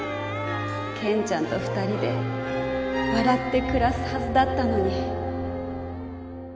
ケンちゃんと２人で笑って暮らすはずだったのに